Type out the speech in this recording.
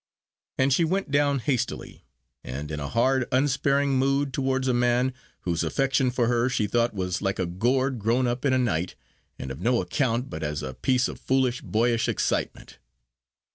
And she went down hastily, and in a hard unsparing mood towards a man, whose affection for her she thought was like a gourd, grown up in a night, and of no account, but as a piece of foolish, boyish excitement.